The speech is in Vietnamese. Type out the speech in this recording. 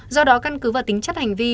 do đó căn cứ vào tính chất hành vi